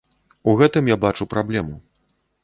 У гэтым я бачу праблему.